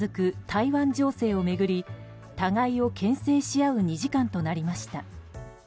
台湾情勢を巡り互いに牽制し合う２時間となりました。